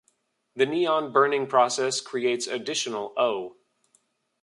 The neon burning process creates additional O.